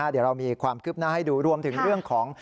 เดี๋ยวเรามีความคืบหน้าให้ดูรวมถึงเรื่องของ